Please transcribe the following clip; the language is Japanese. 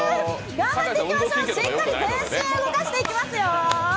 頑張っていきましょう、全身を動かしていきますよ。